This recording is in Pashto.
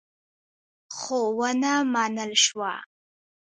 خو ونه منل شوه.